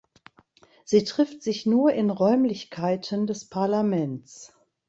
Sie trifft sich nur in Räumlichkeiten des Parlaments.